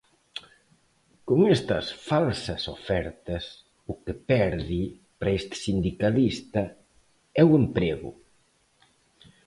Con estas "falsas" ofertas, o que perde, para este sindicalista, "é o emprego".